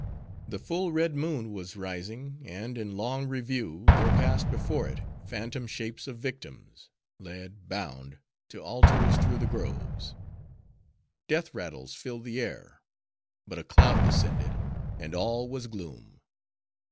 The full red moon was rising; and, in long review there passed before it, phantom shapes of victims, led bound to altars through the groves. Death rattles filled the air. But a cloud descended, and all was gloom.